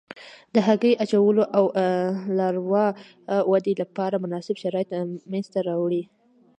د هګۍ اچولو او لاروا ودې لپاره مناسب شرایط منځته راوړي.